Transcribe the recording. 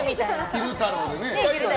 昼太郎とね。